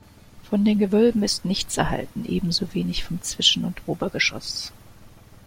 Von den Gewölben ist nichts erhalten, ebenso wenig vom Zwischen- und Obergeschoss.